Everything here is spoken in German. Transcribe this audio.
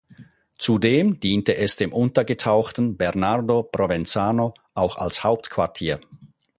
Zudem diente es dem untergetauchten Bernardo Provenzano auch als Hauptquartier.